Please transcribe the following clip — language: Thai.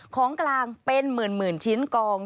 ของกลางเป็นหมื่นชิ้นกอง